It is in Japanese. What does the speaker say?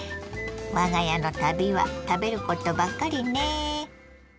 我が家の旅は食べることばっかりね。